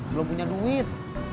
belum punya duit